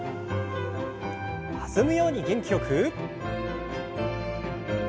弾むように元気よく。